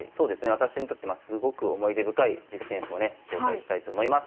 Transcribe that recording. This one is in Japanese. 私にとってすごく思い出深い実戦譜をね紹介したいと思います。